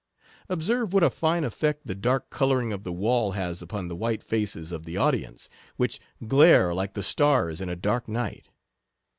Observe what a fine effect the dark co 31 louring of the wall has upon the white faces of the audience, which glare like the stars in a dark night.